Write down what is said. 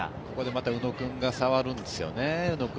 ここでまた宇野君が触るんですよね。